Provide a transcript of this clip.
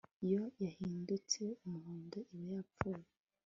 iyo yahindutse umuhondo iba yapfuye